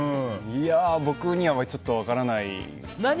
僕にはちょっと分からないな。